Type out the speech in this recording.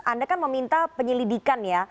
anda kan meminta penyelidikan ya